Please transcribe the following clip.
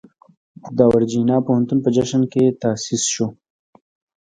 دا د ورجینیا پوهنتون په جشن کې تاسیس شو.